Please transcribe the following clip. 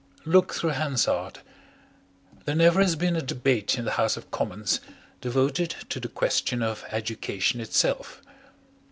Look through Hansard. There never has been a Debate in the House of Commons devoted to the question of Education itself.